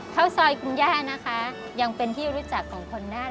ข้าวซอยคุณย่านะคะยังเป็นที่รู้จักของคนน่าน